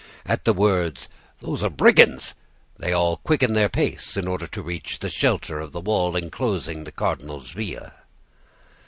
At the words, 'Those are brigands!' they all quickened their pace in order to reach the shelter of the wall enclosing the cardinal's villa.